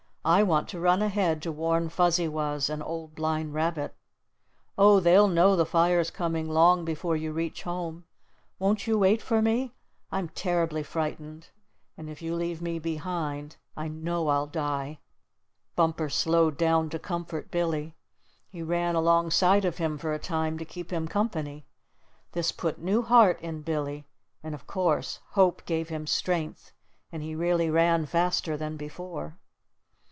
"I want to run ahead to warn Fuzzy Wuzz and Old Blind Rabbit." "Oh, they'll know the fire's coming long before you reach home. Won't you wait for me? I'm terribly frightened, and if you leave me behind I know I'll die." Bumper slowed down to comfort Billy. He ran alongside of him for a time to keep him company. This put new heart in Billy, and of course hope gave him strength and he really ran faster than before.